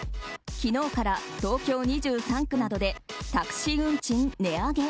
昨日から東京２３区などでタクシー運賃値上げ。